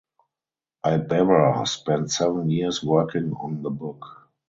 Ibarra spent seven years working on the book.